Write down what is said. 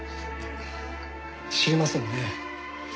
知りませんね。